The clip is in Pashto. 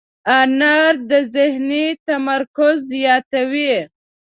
انار د ذهني تمرکز زیاتوي.